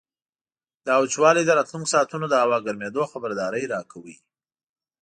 دا وچوالی د راتلونکو ساعتونو د هوا ګرمېدو خبرداری راکاوه.